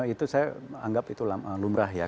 itu saya anggap itu lumrah ya